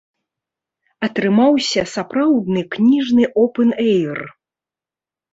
Атрымаўся сапраўдны кніжны опэн-эйр.